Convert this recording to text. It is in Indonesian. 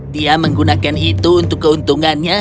dia menggunakan itu untuk keuntungannya